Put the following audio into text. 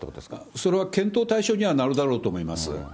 それは検討対象にはなるだろうと思います。